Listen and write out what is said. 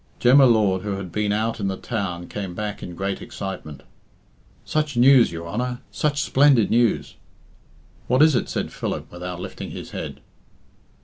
Jem y Lord, who had been out in the town, came back in great excitement. "Such news, your Honour! Such splendid news!" "What is it?" said Philip, without lifting his head.